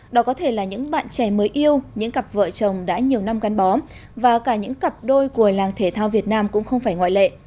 đó có thể là những bạn trẻ mới yêu những cặp vợ chồng đã nhiều năm gắn bó và cả những cặp đôi của làng thể thao việt nam cũng không phải ngoại lệ